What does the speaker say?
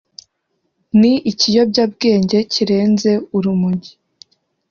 ni ikiyobyabwenge kirenze urumogi